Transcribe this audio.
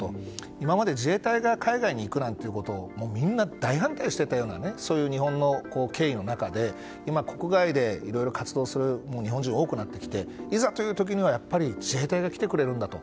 今まで自衛隊が海外に行くなんてことみんな大反対していたような日本の経緯の中で今、国外でいろいろ活動する日本人が多くなってきていざという時には、やっぱり自衛隊が来てくれるんだと。